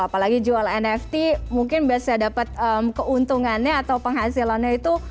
apalagi jual nft mungkin biasanya dapat keuntungannya atau penghasilannya itu